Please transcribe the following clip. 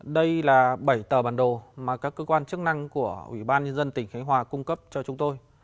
đây là bảy tờ bản đồ mà các cơ quan chức năng của ủy ban nhân dân tỉnh khánh hòa cung cấp cho chúng tôi